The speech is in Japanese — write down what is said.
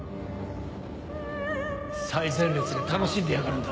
最前列で楽しんでやがるんだ。